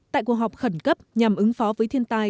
tại cuộc họp khẩn cấp nhằm ứng phó với thiên tai